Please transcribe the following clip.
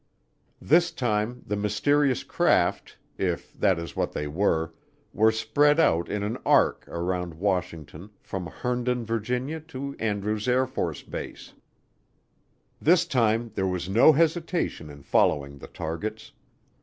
This time the mysterious craft, if that is what they were, were spread out in an arc around Washington from Herndon, Virginia, to Andrews AFB. This time there was no hesitation in following the targets.